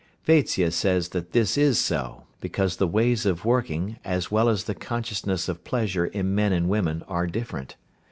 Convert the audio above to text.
Vatsya says that this is so, because the ways of working as well as the consciousness of pleasure in men and women are different.